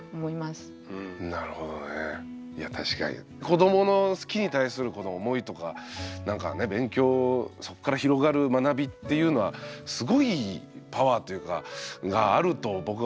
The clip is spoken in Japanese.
子どもの好きに対するこの思いとかなんかね勉強そっから広がる学びっていうのはすごいパワーというかがあると僕は思うんで。